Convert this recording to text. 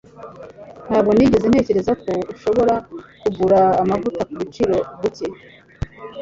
Ntabwo nigeze ntekereza ko ushobora kugura amavuta kubiciro buke.